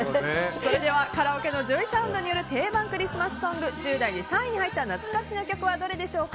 それではカラオケのＪＯＹＳＯＵＮＤによる定番クリスマスソング１０代で３位に入った懐かしの曲はどれでしょうか。